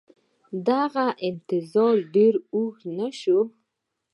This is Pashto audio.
دغه انتظار ډېر اوږد نه شو.